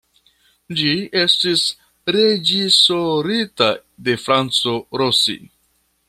Ĝi estis reĝisorita de Franco Rossi.